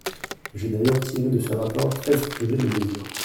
J’ai d’ailleurs tiré de ce rapport treize projets de mesures.